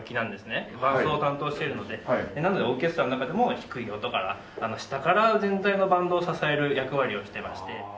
なのでオーケストラの中でも低い音から下から全体のバンドを支える役割をしていまして。